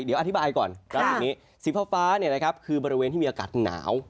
เดี๋ยวอธิบายก่อนรับอย่างนี้สีฟ้านี่นะครับคือบริเวณที่มีอากาศหนาว